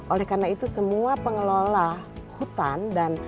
oleh karena itu semua pengelola hutan dan